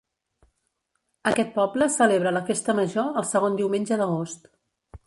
Aquest poble celebra la festa major el segon diumenge d'agost.